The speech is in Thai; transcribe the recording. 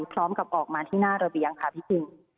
พร้อมกับออกมาที่หน้าระเบียงค่ะพี่คิง